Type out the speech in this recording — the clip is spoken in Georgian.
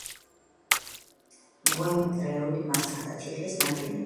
მღვიმური ნალექებიდან გვხვდება ნგრეული მასალა; თიხის ნაფენები.